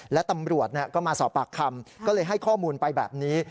และตำรวจก็มาสอบปากคำก็เลยให้ข้อมูลไปแบบนี้